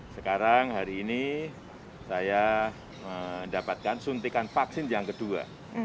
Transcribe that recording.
sekarang hari ini saya mendapatkan suntikan vaksin yang kedua